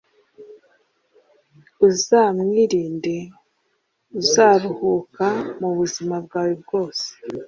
Uzamwirinde, uzaruhuka mubuzima bwawe bwose